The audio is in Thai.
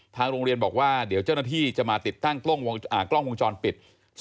ทางโรงเรียนบอกว่าเดี๋ยวเจ้าหน้าที่จะมาติดตั้งกล้องวงจรปิด